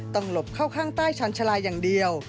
หลบเข้าข้างใต้ชาญชาลาอย่างเดียว